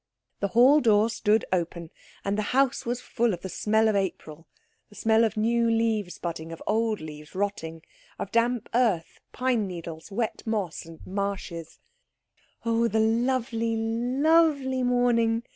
The hall door stood open, and the house was full of the smell of April; the smell of new leaves budding, of old leaves rotting, of damp earth, pine needles, wet moss, and marshes. "Oh, the lovely, lovely morning!"